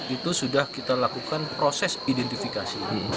itu sudah kita lakukan proses identifikasi